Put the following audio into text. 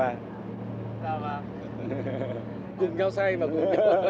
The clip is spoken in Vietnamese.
dạ vâng dùm cao say mà vượt qua